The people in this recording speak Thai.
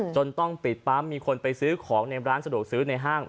จนต้องปิดปั๊มมีคนไปซื้อของในร้านสะดวกซื้อในห้าง